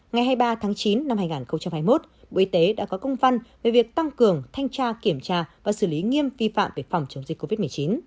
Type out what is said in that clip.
ngày hai mươi ba tháng chín năm hai nghìn hai mươi một bộ y tế đã có công văn về việc tăng cường thanh tra kiểm tra và xử lý nghiêm vi phạm về phòng chống dịch covid một mươi chín